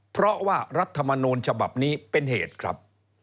เพราะว่ารัฐมนูลฉบับนี้เป็นเหตุครับ